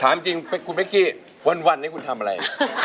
ถามจริงคุณเป๊กกี้วันนี้คุณทำอะไร